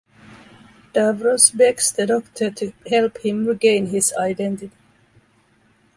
Davros begs the Doctor to help him regain his identity.